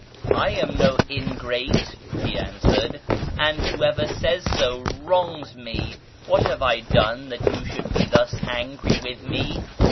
" I am no ingrate," he answered, " and whoever says so wrongs me. What have I done that you should be thus angry with me